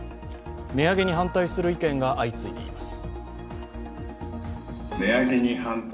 値上げに反対する意見が相次いでいます。